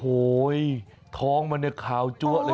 โอ้โหท้องมันเนี่ยขาวจั๊วเลย